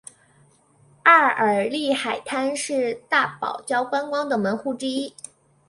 埃尔利海滩是大堡礁观光的门户之一。